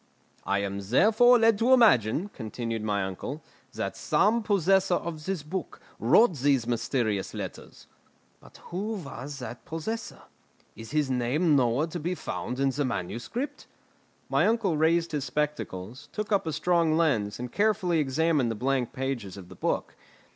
"I am therefore led to imagine," continued my uncle, "that some possessor of this book wrote these mysterious letters. But who was that possessor? Is his name nowhere to be found in the manuscript?" My uncle raised his spectacles, took up a strong lens, and carefully examined the blank pages of the book.